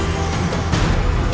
aku akan menangkapmu